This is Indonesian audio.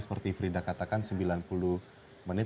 seperti frida katakan sembilan puluh menit